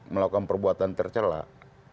melakukan perbuatan tercelak